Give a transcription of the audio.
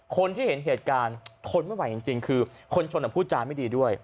คนที่เห็นเหตุการณ์ทนไม่ไหวจริงคือคนชนพูดจาไม่ดีด้วย